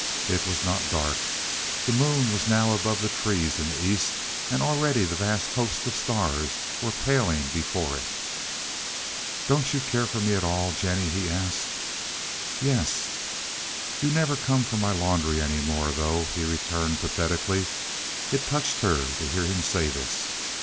It was not dark. The moon was now above the trees in the east, and already the vast host of stars were paling before it. "Don't you care for me at all, Jennie?" he asked. "Yes!" "You never come for my laundry any more, though," he returned pathetically. It touched her to hear him say this.